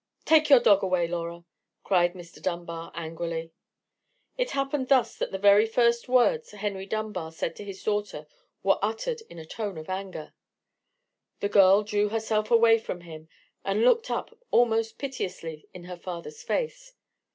"Take your dog away, Laura!" cried Mr. Dunbar, angrily. It happened thus that the very first words Henry Dunbar said to his daughter were uttered in a tone of anger. The girl drew herself away from him, and looked up almost piteously in her father's face.